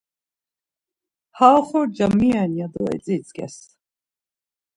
Ha oxorca mi ren ya do etzitzǩes.